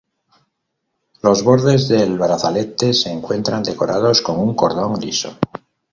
Los bordes del brazalete se encuentran decorados con un cordón liso.